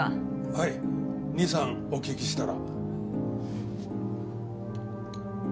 はいニ三お聞きしたら。